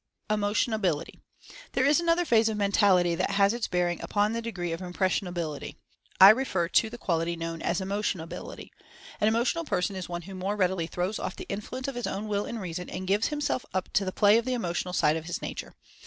EMOTIONABILITY. There is another phase of mentality that has it's bearing upon the degree of impressionability. I refer Impressionability ji to the quality known as "emotionability." An emo tional person is one who more readily throws off the influence of his own Will and Reason and gives him self up to the play of the emotional side of his nature.